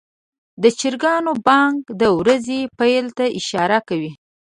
د چرګانو بانګ د ورځې پیل ته اشاره کوي.